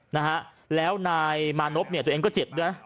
นะฮะแล้วนายมานพเนี่ยตัวเองก็เจ็บด้วยนะ